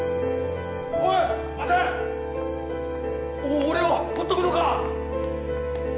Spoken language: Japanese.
お俺を放っとくのか？